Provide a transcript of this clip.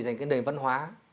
cái nền văn hóa